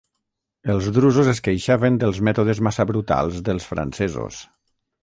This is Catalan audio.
Els drusos es queixaven dels mètodes massa brutals dels francesos.